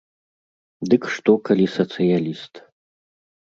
Дык што, калі сацыяліст.